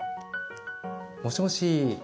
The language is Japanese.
もしもし。